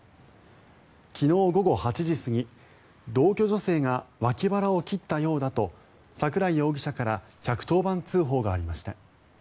昨日午後８時過ぎ同居女性が脇腹を切ったようだと櫻井容疑者から１１０番通報がありました。